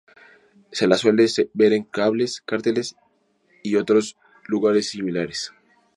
Se las suele ver en cables, carteles y otros lugares similares.